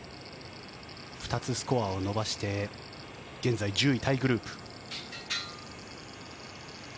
２つスコアを伸ばして現在１０位タイグループ。